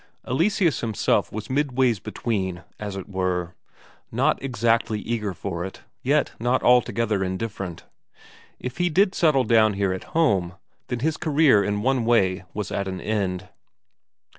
Eleseus himself was midways between, as it were; not exactly eager for it, yet not altogether indifferent. If he did settle down here at home, then his career in one way was at an end.